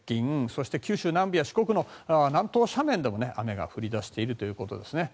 そして、九州南部や四国の南東の斜面でも雨が降り出しているということです。